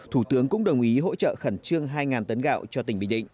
thủ tướng cũng đồng ý hỗ trợ khẩn trương hai tấn gạo cho tỉnh bình định